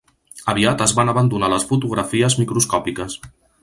Aviat es van abandonar les fotografies microscòpiques.